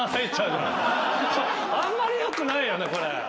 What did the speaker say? あんまりよくないよね。